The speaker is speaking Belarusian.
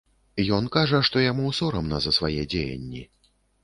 Ён кажа, што яму сорамна за свае дзеянні.